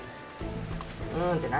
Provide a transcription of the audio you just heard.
「うん」って何？